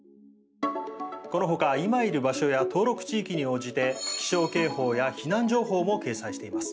この他、今いる場所や登録地域に応じて気象警報や避難情報も掲載しています。